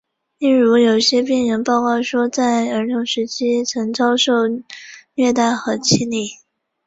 例如有些病人报告说在儿童时代曾遭受虐待和欺凌。